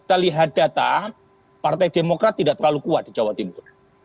kita lihat data partai demokrat tidak terlalu kuat di jawa timur